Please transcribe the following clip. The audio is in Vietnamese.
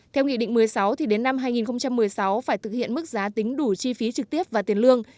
theo nghị định một mươi sáu thì đến năm hai nghìn một mươi sáu phải thực hiện mức giá tính đủ chi phí trực tiếp và tiền lương